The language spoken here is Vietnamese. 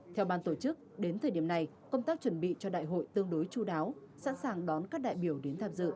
theo ban tổ chức đến thời điểm này công tác chuẩn bị cho đại hội tương đối chú đáo sẵn sàng đón các đại biểu đến tham dự